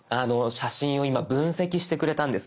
写真を今分析してくれたんです。